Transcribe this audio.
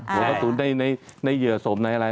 ถูกต้องครับโหแล้วถูกในเหยื่อสมไหนอะไร